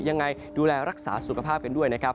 ยังไงดูแลรักษาสุขภาพกันด้วยนะครับ